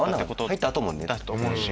入った後もだと思うし。